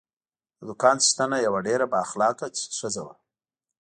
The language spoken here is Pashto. د دوکان څښتنه یوه ډېره با اخلاقه ښځه وه.